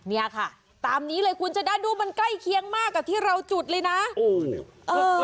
เนี่ยค่ะตามนี้เลยคุณชนะดูมันใกล้เคียงมากกับที่เราจุดเลยนะ